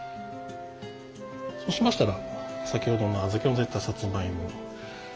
そうしましたら先ほどの小豆をのせたさつまいも。